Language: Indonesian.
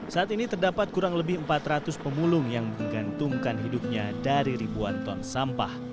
saat ini terdapat kurang lebih empat ratus pemulung yang menggantungkan hidupnya dari ribuan ton sampah